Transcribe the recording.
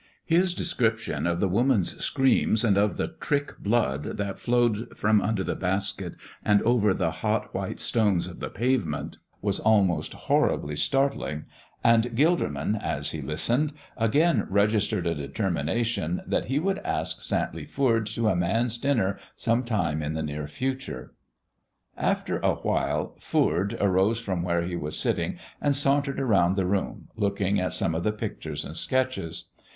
His description of the woman's screams and of the trick blood that flowed from under the basket and over the hot, white stones of the pavement was almost horribly startling, and Gilderman, as he listened, again registered a determination that he would ask Santley Foord to a man's dinner some time in the near future. After a while Foord arose from where he was sitting and sauntered around the room, looking at some of the pictures and sketches.